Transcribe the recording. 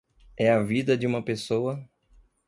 É a vida de uma pessoa